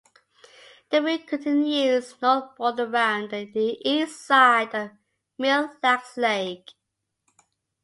The route continues northbound around the east side of Mille Lacs Lake.